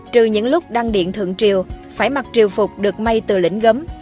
trừ những lúc đăng điện thượng triều phải mặc triều phục được may từ lĩnh gấm